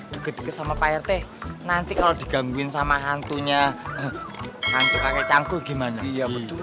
duket duket sama pak rete nanti kalau digangguin sama hantunya hantu kakek cangkul gimana iya betul